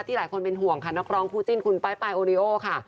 หลายคนเป็นห่วงค่ะนักร้องคู่จิ้นคุณป้ายปลายโอริโอค่ะ